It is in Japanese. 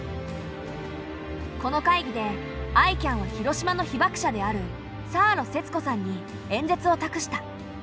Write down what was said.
この会議でＩＣＡＮは広島の被爆者であるサーロー節子さんに演説をたくした。